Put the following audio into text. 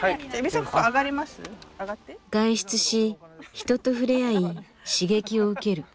外出し人と触れ合い刺激を受ける。